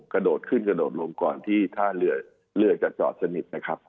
กระโดดขึ้นกระโดดลงก่อนที่ท่าเรือจะจอดสนิทนะครับ